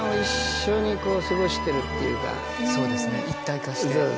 そうですね一体化して。